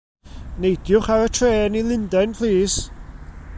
Neidiwch ar y trên i Lundain, plîs.